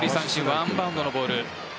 ワンバウンドのボール。